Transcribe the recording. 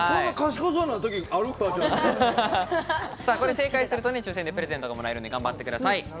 正解すると抽選でプレゼントがもらえるんで頑張ってください。